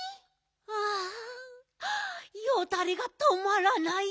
あよだれがとまらない。